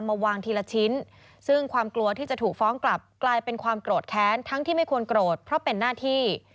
ไม่ควรโกรธเพราะเป็นหน้าที่